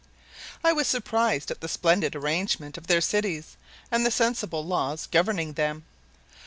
I was surprised at the splendid arrangement of their cities and the sensible laws governing them.